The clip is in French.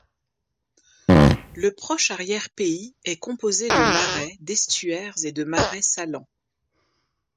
Le proche arrière-pays est composé de marais, d’estuaires et de marais salants.